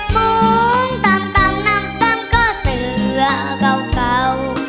มุ้งตำตำนำซ้ำก็เสือเก่าเก่า